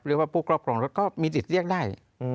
หรือว่าผู้ครอบครองรถก็มีสิทธิ์เรียกได้